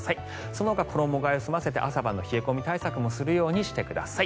そのほか、衣替えを済ませて朝晩の冷え込み対策もするようにしてください。